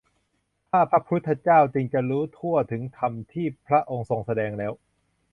ข้าพระพุทธเจ้าจึงจะรู้ทั่วถึงธรรมที่พระองค์ทรงแสดงแล้ว